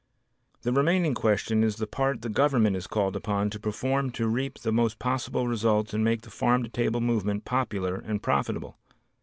The remaining question is the part the Government is called upon to perform to reap the most possible results and make the farm to table movement popular and profitable.